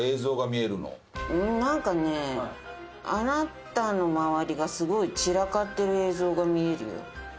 なんかねあなたの周りがすごい散らかってる映像が見えるよ。